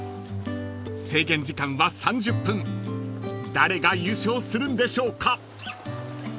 ［誰が優勝するんでしょうか］